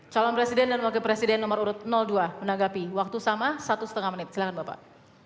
calon presiden dan wakil presiden nomor urut dua menanggapi waktu sama satu setengah menit silahkan bapak